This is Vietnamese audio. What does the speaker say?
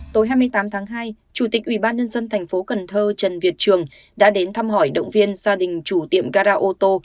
tối hai mươi tám tháng hai chủ tịch ubnd tp cn trần việt trường đã đến thăm hỏi động viên gia đình chủ tiệm gara auto